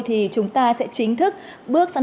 thì chúng ta sẽ chính thức bước sang